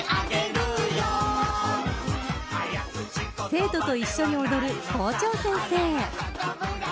生徒と一緒に踊る校長先生。